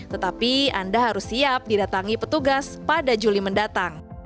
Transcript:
tetapi anda harus siap didatangi petugas pada juli mendatang